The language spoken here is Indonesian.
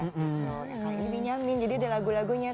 ini binyamin jadi ada lagu lagunya tuh